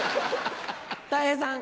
たい平さん。